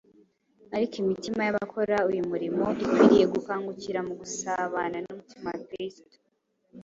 Ariko imitima y’abakora uyu murimo ikwiriye gukangukira mu gusabana n’umutima wa Kristo.